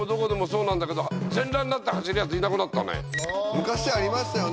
昔はいましたよね